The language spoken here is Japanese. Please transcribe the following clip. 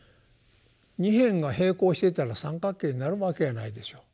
二辺が平行してたら三角形になるわけがないでしょう。